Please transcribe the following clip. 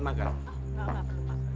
tidak apa apa pak